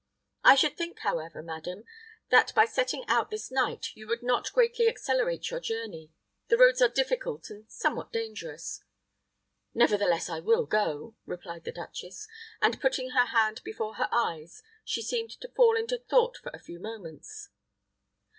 I should think, however, madam, that by setting out this night you would not greatly accelerate your journey. The roads are difficult and somewhat dangerous " "Nevertheless, I will go," replied the duchess; and putting her hand before her eyes, she seemed to fall into thought for a few moments.